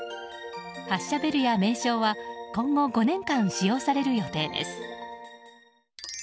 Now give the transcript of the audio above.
発車ベルや名称は今後５年間、使用される予定です。